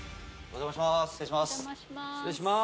お邪魔します。